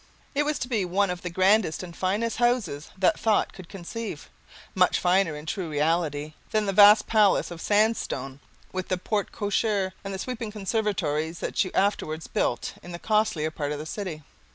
It was to be one of the grandest and finest houses that thought could conceive; much finer, in true reality, than that vast palace of sandstone with the porte cochere and the sweeping conservatories that you afterwards built in the costlier part of the city.